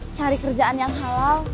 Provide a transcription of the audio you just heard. cari kerjaan yang halal